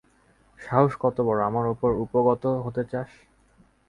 সাহস কত বড়, আমার উপর উপগত হতে চাস!